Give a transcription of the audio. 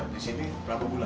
di sini berapa bulan